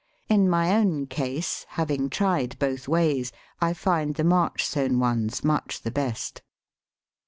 In my own case, having tried both ways, I find the March sown ones much the best.